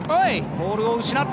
ボールを失った。